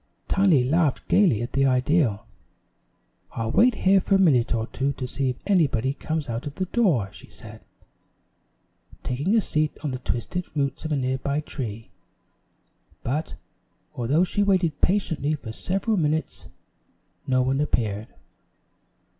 Tiny laughed gayly at the idea. "I'll wait here for a minute or two to see if anybody comes out of the door," she said, taking a seat on the twisted roots of a nearby tree; but, although she waited patiently for several minutes, no one appeared.